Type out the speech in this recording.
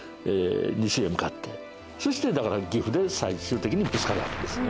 西へ向かってそして岐阜で最終的にぶつかるわけです。